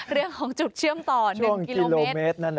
เรื่องของจุดเชื่อมต่อ๑กิโลเมตร